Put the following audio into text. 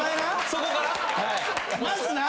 そこから？